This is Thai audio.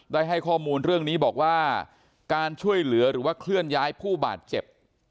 ได้ให้ข้อมูลเรื่องนี้บอกว่าการช่วยเหลือหรือว่าเคลื่อนย้ายผู้บาดเจ็บ